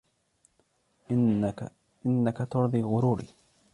إنك ترضي غروري.